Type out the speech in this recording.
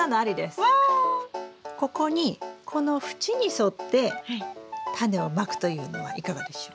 ここにこの縁に沿ってタネをまくというのはいかがでしょう？